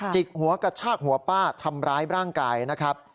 กหัวกระชากหัวป้าทำร้ายร่างกายนะครับ